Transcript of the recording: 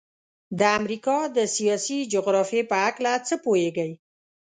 د امریکا د سیاسي جغرافیې په هلکه څه پوهیږئ؟